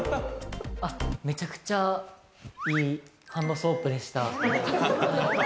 めちゃくちゃいいハンドソープでした。